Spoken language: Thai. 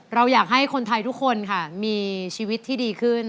เราอยากให้คนไทยทุกคนค่ะมีชีวิตที่ดีขึ้น